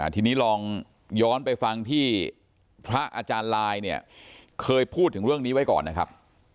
ทีนี้ลองย้อนไปฟังที่พระอาจารย์ลายเนี่ยเคยพูดถึงเรื่องนี้ไว้ก่อนนะครับ